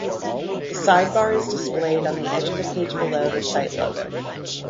The sidebar is displayed on the edge of the page below the site logo.